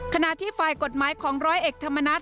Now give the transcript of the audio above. ขณะที่ฝ่ายกฎหมายของร้อยเอกธรรมนัฐ